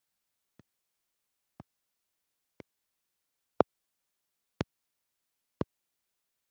ko chr wawe japhet yagiye mubitaro